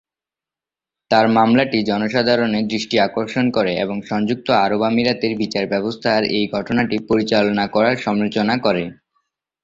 তার মামলাটি জনসাধারণের দৃষ্টি আকর্ষণ করে এবং সংযুক্ত আরব আমিরাতের বিচার ব্যবস্থার এই ঘটনাটি পরিচালনা করার সমালোচনা করে।